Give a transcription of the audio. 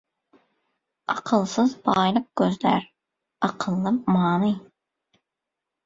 Akylsyz baýlyk gözlär, akylly many.